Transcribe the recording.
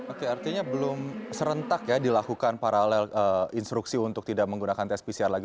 oke artinya belum serentak ya dilakukan paralel instruksi untuk tidak menggunakan tes pcr lagi